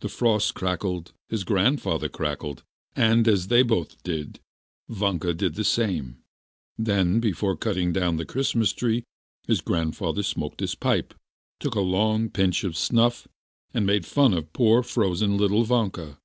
The frost crackled, his grandfather crackled, and as they both did, Vanka did the same. Then before cutting down the Christmas tree his grandfather smoked his pipe, took a long pinch of snuff, and made fun of poor frozen little Vanka...